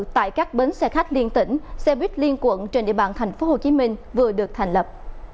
tại các bến xe khách liên tỉnh xe buýt liên quận trên địa bàn tp hcm vừa được thành lập